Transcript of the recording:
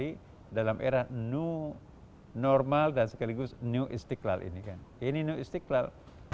ini adalah normal dan sekaligus new istiqlal ini kan ini new istiqlal